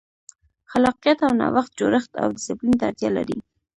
خلاقیت او نوښت جوړښت او ډیسپلین ته اړتیا لري.